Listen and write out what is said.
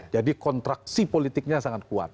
jadi kontraksi politiknya sangat kuat